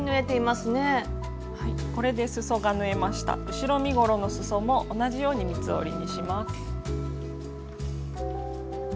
後ろ身ごろのすそも同じように三つ折りにします。